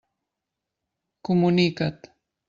Comunica't.